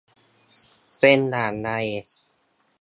เป็นอย่างไร